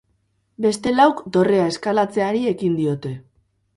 Beste lauk dorrea eskalatzeari ekin diote.